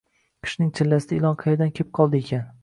Qishning chillasida ilon qaerdan kep qoldiykin